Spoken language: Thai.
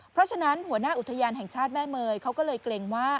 เพราะฉะนั้นหัวหน้าอุทยานแห่งชาติแม่เมยเขาก็เลยเกรงว่า